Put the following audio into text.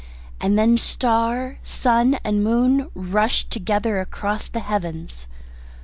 And then star, sun, and moon rushed together across the heavens.